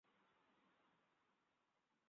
কিন্তু তিনি, একটি নীরব ধরন, চুপচাপ ভোগেন।